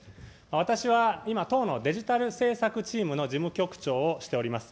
私は今、党のデジタル政策チームの事務局長をしております。